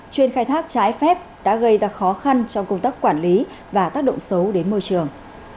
chuyên khai thác trái phép đã gây ra khó khăn trong công tác quản lý và tác động xấu đến môi trường